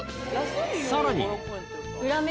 さらに！